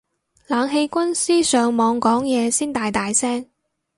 冷氣軍師上網講嘢先大大聲